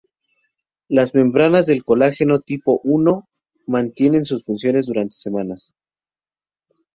Las membranas de colágeno tipo I mantienen sus funciones durante semanas.